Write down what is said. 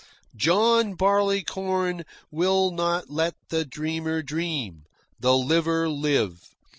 John Barleycorn will not let the dreamer dream, the liver live.